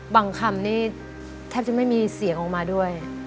คำนี้แทบจะไม่มีเสียงออกมาด้วย